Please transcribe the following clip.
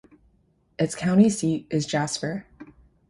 Its county seat is Jasper.